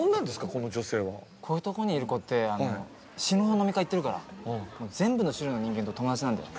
この女性はこういうとこにいる子って死ぬほど飲み会行ってるから全部の種類の人間と友達なんだよ